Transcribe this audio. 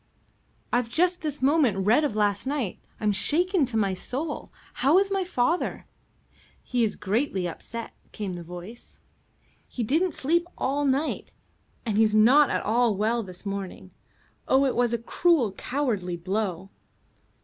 "I've just this moment read of last night. I'm shaken to my soul. How is my father?" "He's greatly upset," came the voice. "He didn't sleep all night, and he's not at all well this morning. Oh, it was a cruel, cowardly blow."